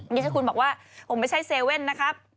ดิฉันคุณบอกว่าผมไม่ใช่เซเว่นนะครับ